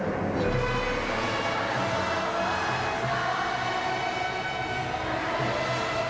พระนึงจะให้เสียงทุกคนดังไปถึงภาพประวัติศาสตร์แทนความจงรักพักดีอีกครั้ง